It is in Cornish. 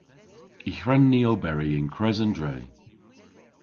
Y hwren ni oberi yn kres an dre.